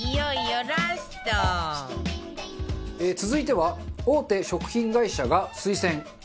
続いては大手食品会社が推薦。